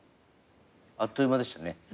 あっという間でしたね。